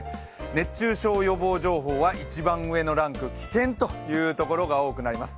熱中症予防情報は一番上のランク、危険というところが多くなります。